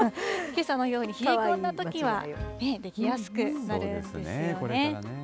けさのように冷え込んだときは、出来やすくなるんですよね。